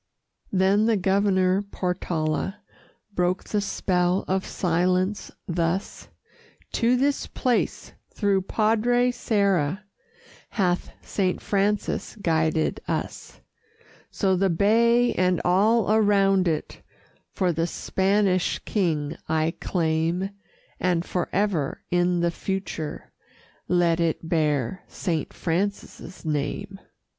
Then the Governor Portala Broke the spell of silence thus: "To this place, through Padre Serra, Hath Saint Francis guided us; So the bay and all around it For the Spanish King I claim, And forever, in the future, Let it bear Saint Francis' name."